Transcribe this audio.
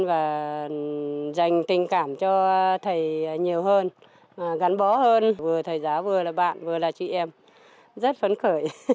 và dành tình cảm cho thầy nhiều hơn gắn bó hơn vừa thầy giáo vừa là bạn vừa là chị em rất phấn khởi